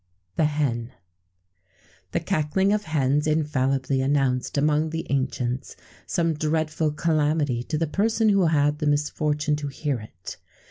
[XVII 17] THE HEN. The cackling of hens infallibly announced, among the ancients, some dreadful calamity to the person who had the misfortune to hear it.